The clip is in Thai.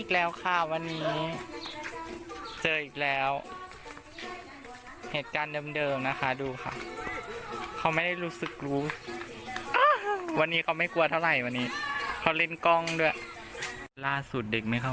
ล่าสุดเด็กไม่เข้าใกล้แล้วค่ะ